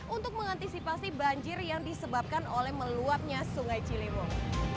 untuk mengantisipasi banjir yang disebabkan oleh meluapnya sungai ciliwung